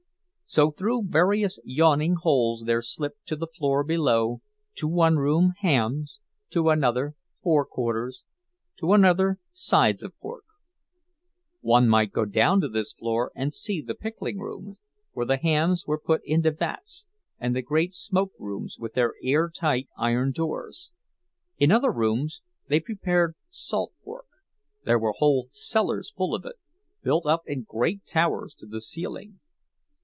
So through various yawning holes there slipped to the floor below—to one room hams, to another forequarters, to another sides of pork. One might go down to this floor and see the pickling rooms, where the hams were put into vats, and the great smoke rooms, with their airtight iron doors. In other rooms they prepared salt pork—there were whole cellars full of it, built up in great towers to the ceiling.